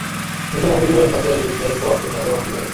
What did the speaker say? মৃত মমিগুলোর সাথে যুদ্ধের পর তুমি আরো রোমান্টিক হয়ে গেছ!